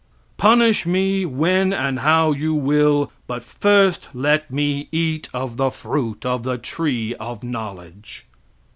Punish me when and how you will, but first let me eat of the fruit of the tree of knowledge.